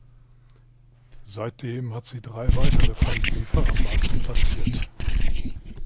Seitdem hat sie drei weitere Pfandbriefe am Markt platziert.